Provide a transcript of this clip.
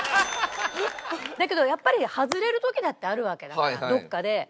だけどやっぱり外れる時だってあるわけだからどっかで。